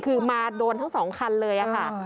คือมาโดนทั้ง๒คันเลยค่ะ